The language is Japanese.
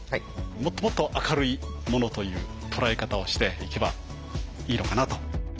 もっともっと明るいものという捉え方をしていけばいいのかなと。